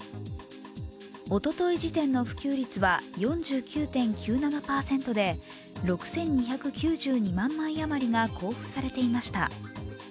おととい時点の普及率は４９．９７％で６２９２万枚あまりが交付されていました。